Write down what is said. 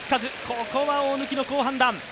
ここは大貫の好判断。